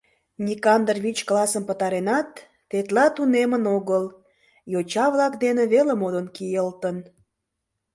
Никандр вич классым пытаренат, тетла тунемын огыл, йоча-влак дене веле модын кийылтын.